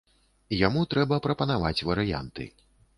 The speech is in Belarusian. Яму трэба прапанаваць варыянты.